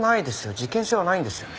事件性はないんですよね？